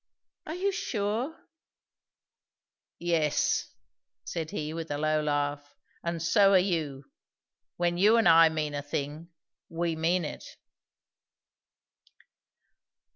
"Are you sure?" "Yes," said he with a low laugh; "and so are you. When you and I mean a thing, we mean it."